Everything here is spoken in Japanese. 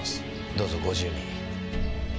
どうぞご自由に。